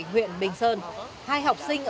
huyện bình sơn hai học sinh